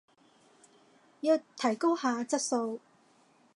要提高下質素